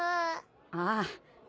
ああ。